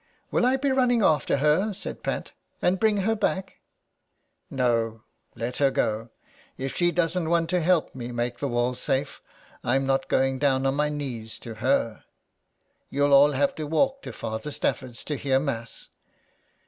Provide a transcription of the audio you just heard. '' Will I be running after her/' said Pat, *' and bring ing her back ?"*' No, let her go. If she doesn't want to help to make the walls safe I'm not going to go on my knees to her. ... You'll all have to walk to Father Stafford's to hear Mass.